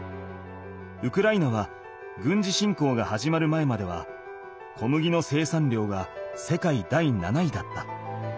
ウクライナは軍事侵攻が始まる前までは小麦の生産量が世界第７位だった。